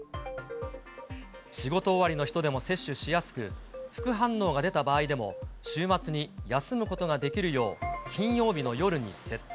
仕事終わりの人でも接種しやすく、副反応が出た場合でも週末に休むことができるよう、金曜日の夜に設定。